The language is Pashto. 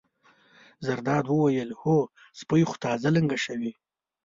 زرداد وویل: هو سپۍ خو تازه لنګه شوې.